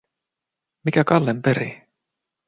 Mikä Kallen perii?